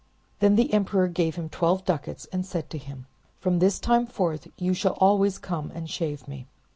Then the emperor gave him twelve ducats, and said to him— "From this time forth you shall always come and shave me.